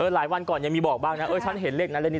หลายวันก่อนยังมีบอกบ้างนะฉันเห็นเลขนั้นเลขนี้